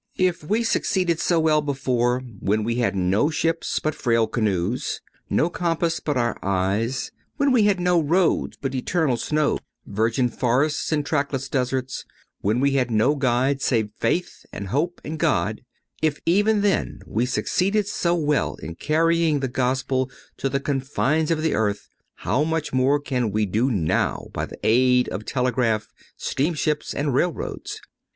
If we succeeded so well before, when we had no ships but frail canoes, no compass but our eyes; when we had no roads but eternal snows, virgin forests and trackless deserts; when we had no guide save faith, and hope, and God—if even then we succeeded so well in carrying the Gospel to the confines of the earth, how much more can we do now by the aid of telegraph, steamships and railroads?